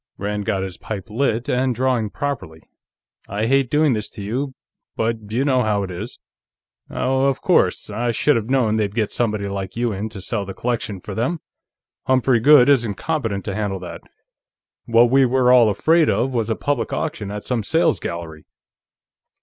Rand got his pipe lit and drawing properly. "I hate doing this to you, but you know how it is." "Oh, of course. I should have known they'd get somebody like you in to sell the collection for them. Humphrey Goode isn't competent to handle that. What we were all afraid of was a public auction at some sales gallery."